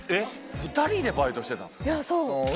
２人でバイトしてたんですか？